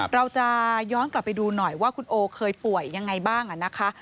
เราจะย้อนกลับไปดูหน่อยว่าคุณโอเคยป่วยยังไงบ้างนะคะ